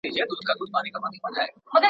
ټولنپوهنه د ناسم تصوراتو په اصلاح کې مرسته کوي.